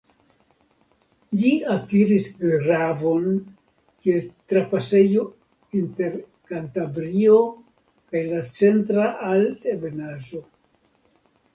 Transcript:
Ĝi akiris gravon kiel trapasejo inter Kantabrio kaj la Centra Altebenaĵo.